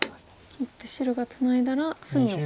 切って白がツナいだら隅を。